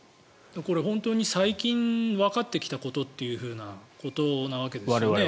これ、本当に最近わかってきたことということなわけですよね。